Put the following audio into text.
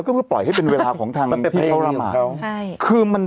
กลายเป็นแบบว่าอูหูหู